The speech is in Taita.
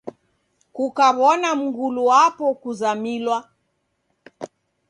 Kukaw'ona mgulu wapo kuzamilwa.